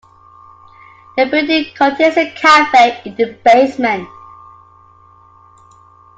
The building contains a cafe in the basement.